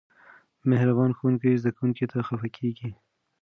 مهربان ښوونکی زده کوونکي نه خفه کوي.